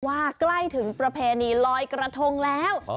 ใกล้ถึงประเพณีลอยกระทงแล้ว